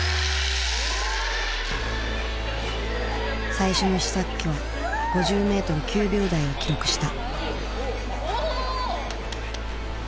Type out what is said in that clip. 最初の試作機は５０メートル９秒台を記録した。